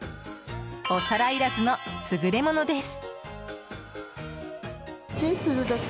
お皿いらずの優れものです。